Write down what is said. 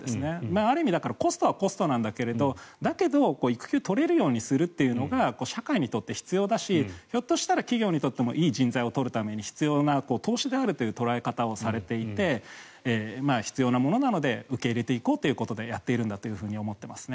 ある意味コストはコストなんだけど育休を取れるようにするというのが社会にとって必要だしひょっとしたら企業にとってもいい人材を取るために必要な投資であるという捉え方をされていて必要なものなので受け入れていこうということでやっているんだと思っていますね。